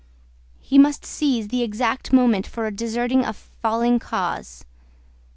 He must seize the exact moment for deserting a falling cause.